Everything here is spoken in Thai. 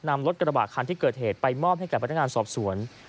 นำรถกระบะคันที่เกิดเหตุไปมอบให้กับพนักงานสอบสวน